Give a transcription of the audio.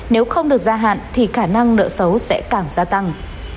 nếu không được gia hạn thì khả năng nợ xấu sẽ càng gia tăng